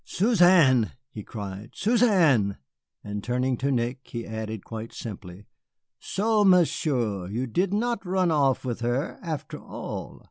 "Suzanne!" he cried, "Suzanne!" And turning to Nick, he added quite simply, "So, Monsieur, you did not run off with her, after all?"